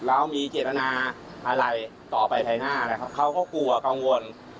แล้วมีเจตนาอะไรต่อไปภายหน้านะครับเขาก็กลัวกังวล